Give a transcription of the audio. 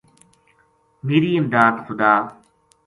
میری امداد خدا